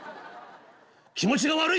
気持ちが悪い。